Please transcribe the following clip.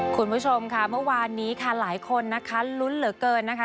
คุณผู้ชมค่ะเมื่อวานนี้ค่ะหลายคนนะคะลุ้นเหลือเกินนะคะ